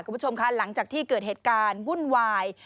คุณผู้ชมคะหลังจากที่เกิดเหตุการณ์วุ่นวาย